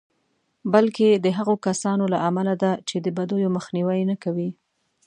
بلکې د هغو کسانو له امله ده چې د بدیو مخنیوی نه کوي.